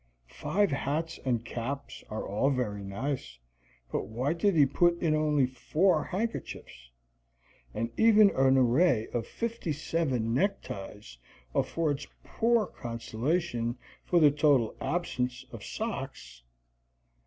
Five hats and caps are all very nice, but why did he put in only four handkerchiefs? And even an array of fifty seven neckties affords poor consolation for the total absence of socks.